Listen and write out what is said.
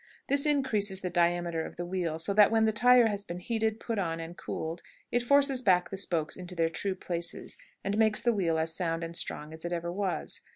This increases the diameter of the wheel, so that when the tire has been heated, put on, and cooled, it forces back the spokes into their true places, and makes the wheel as sound and strong as it ever was.